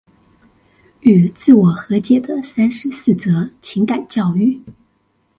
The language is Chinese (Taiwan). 與自我和解的三十四則情感教育